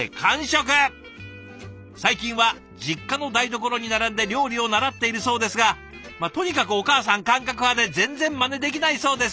最近は実家の台所に並んで料理を習っているそうですがまっとにかくお母さん感覚派で全然まねできないそうです。